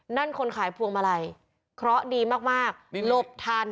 นั่นคนขายพวงมาลัยเคราะห์ดีมากหลบทัน